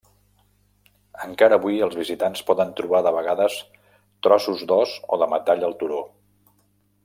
Encara avui els visitants poden trobar de vegades trossos d'os o de metall al turó.